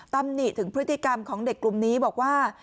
ตำหนิถึงพฤติกรรมของเด็กกลุ่มนี้บอกว่า